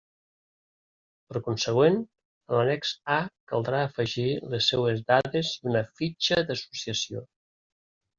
Per consegüent, en l'annex A caldrà afegir les seues dades i una "fitxa d'associació".